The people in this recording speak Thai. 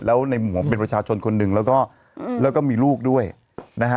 แล้วในหมวกเป็นประชาชนคนหนึ่งแล้วก็มีลูกด้วยนะฮะ